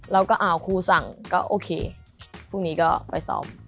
เราก็เอาครูสั่งก็โอเคพรุ่งนี้ก็ไปสอบ